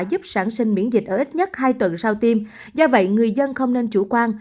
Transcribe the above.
giúp sản sinh miễn dịch ở ít nhất hai tuần sau tiêm do vậy người dân không nên chủ quan